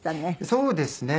そうですね。